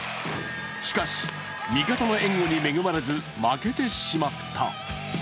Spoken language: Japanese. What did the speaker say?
しかし、味方の援護に恵まれず負けてしまった。